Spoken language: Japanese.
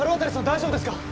大丈夫ですか？